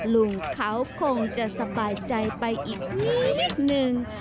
ลุงเขาคงจะสบายใจไปอีกนิดนึง